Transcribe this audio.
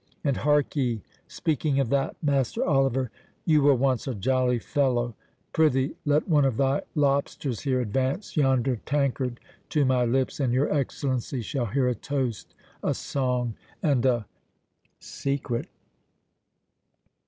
—And hark ye, speaking of that, Master Oliver, you were once a jolly fellow, prithee let one of thy lobsters here advance yonder tankard to my lips, and your Excellency shall hear a toast, a song, and a—secret."